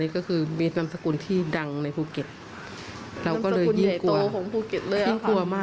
ก็เรียกร้องให้ตำรวจดำเนอคดีให้ถึงที่สุดนะ